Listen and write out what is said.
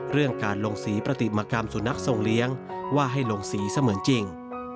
เรื่องการลงสีปฏิมกรรมสุนัขทรงเลี้ยงว่าให้ลงสีเสมือนจริง